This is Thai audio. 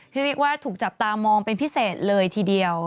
เรียกว่าถูกจับตามองเป็นพิเศษเลยทีเดียว